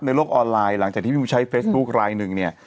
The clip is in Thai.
โลกออนไลน์หลังจากที่ผู้ใช้เฟซบุ๊คลายหนึ่งเนี่ย